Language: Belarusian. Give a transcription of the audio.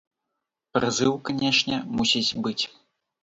Прызыў, канечне, мусіць быць.